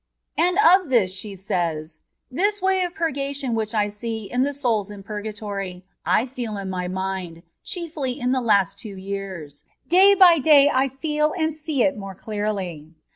And of this she says :" This way of purgation A^hich I see in the souls in purgatory, I feel in my own mind, chiefly in the last two years; day by day I feel and see it more clearly.